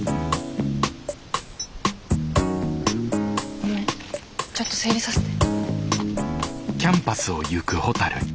ごめんちょっと整理させて。